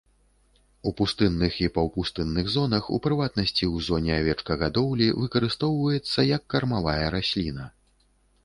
У пустынных і паўпустынных зонах, у прыватнасці, у зоне авечкагадоўлі, выкарыстоўваецца як кармавая расліна.